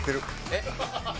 えっ？